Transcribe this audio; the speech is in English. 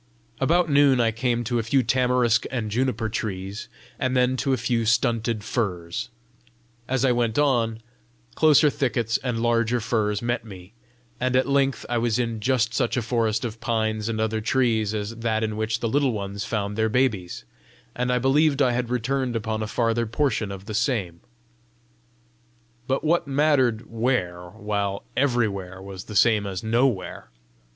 About noon I came to a few tamarisk and juniper trees, and then to a few stunted firs. As I went on, closer thickets and larger firs met me, and at length I was in just such a forest of pines and other trees as that in which the Little Ones found their babies, and believed I had returned upon a farther portion of the same. But what mattered WHERE while EVERYWHERE was the same as NOWHERE!